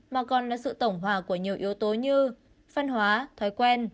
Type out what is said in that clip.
mà còn là sự tổng hòa của nhiều yếu tố như văn hóa thói quen